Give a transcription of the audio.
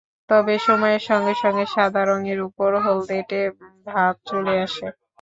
তবে সময়ের সঙ্গে সঙ্গে সাদা রঙের ওপর হলদেটে ভাব চলে আসে।